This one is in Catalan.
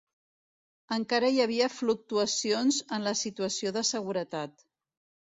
Encara hi havia fluctuacions en la situació de seguretat.